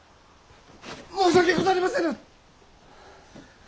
申し訳ござりませぬ！